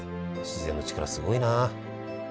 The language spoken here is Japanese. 自然の力すごいな。